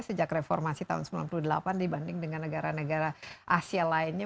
sejak reformasi tahun sembilan puluh delapan dibanding dengan negara negara asia lainnya